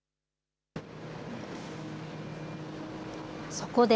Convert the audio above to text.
そこで、